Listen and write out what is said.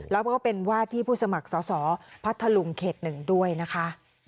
แล้วก็เป็นว่าที่ผู้สมัครสอสอพัทธลุงเขต๑ด้วยนะคะ